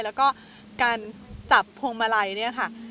แล้วก็การจับพวงมาลัยเนี่ยค่ะ